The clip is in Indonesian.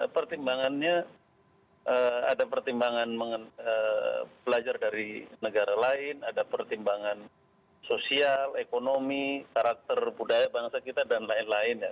pertimbangannya ada pertimbangan belajar dari negara lain ada pertimbangan sosial ekonomi karakter budaya bangsa kita dan lain lain ya